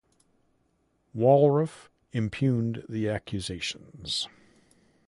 Wallraff impugned the accusations.